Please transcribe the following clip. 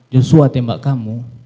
joshua tembak kamu